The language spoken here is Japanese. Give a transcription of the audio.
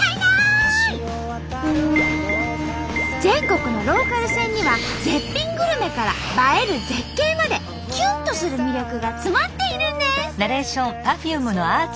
全国のローカル線には絶品グルメから映える絶景までキュンとする魅力が詰まっているんです！